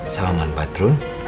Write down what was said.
sama mamang badrun